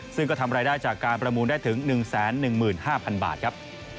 ซึ่งก็ทำรายได้จากการประมูลได้ถึง๑๑๕๐๐๐บาทครับ